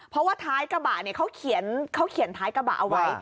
เพราะว่าไทยกะบะเขาเขียนไทยกะบะเอาไว้